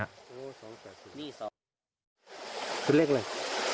คุณเรียกเลย